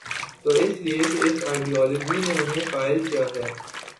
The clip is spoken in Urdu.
تو اس لیے کہ اس آئیڈیالوجی نے انہیں قائل کیا ہے۔